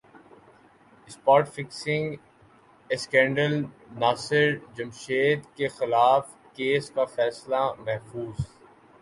spot fixing اسکینڈلناصر جمشید کیخلاف case کا فیصلہ محفوظ